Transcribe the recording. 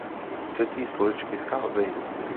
Třetí stoličky scházejí.